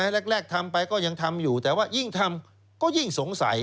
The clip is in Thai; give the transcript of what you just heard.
แรกทำไปก็ยังทำอยู่แต่ว่ายิ่งทำก็ยิ่งสงสัย